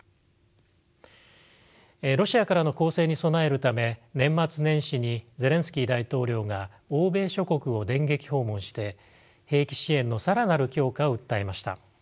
ロシアからの攻勢に備えるため年末年始にゼレンスキー大統領が欧米諸国を電撃訪問して兵器支援の更なる強化を訴えました。